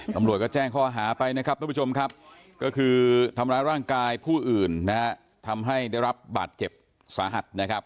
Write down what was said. ตำรวจก็แจ้งข้อหาไปนะครับทุกผู้ชมครับก็คือทำร้ายร่างกายผู้อื่นนะฮะทำให้ได้รับบาดเจ็บสาหัสนะครับ